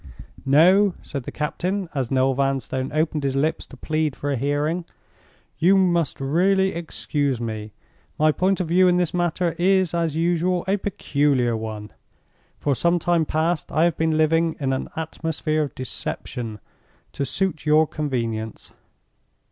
"No!" said the captain, as Noel Vanstone opened his lips to plead for a hearing, "you must really excuse me. My point of view in this matter is, as usual, a peculiar one. For some time past I have been living in an atmosphere of deception, to suit your convenience.